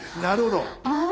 なるほど！